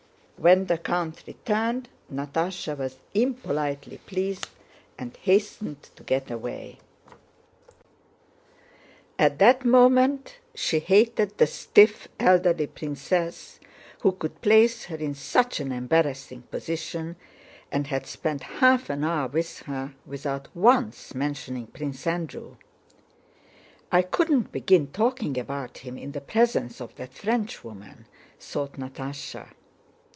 When the count returned, Natásha was impolitely pleased and hastened to get away: at that moment she hated the stiff, elderly princess, who could place her in such an embarrassing position and had spent half an hour with her without once mentioning Prince Andrew. "I couldn't begin talking about him in the presence of that Frenchwoman," thought Natásha.